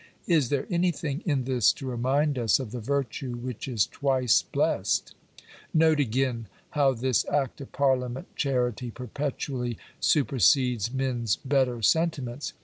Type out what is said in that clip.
Is there anything in this to remind us of the virtue which is " twice blessed ?" Note again how this act of parliament charity perpetually super sedes men s better sentiments.